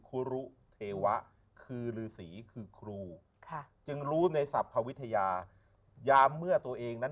ครูรุเทวะคือฤษีคือครูจึงรู้ในสรรพวิทยายามเมื่อตัวเองนั้น